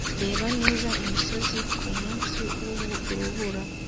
Reba neza imisozi kumunsi wurubura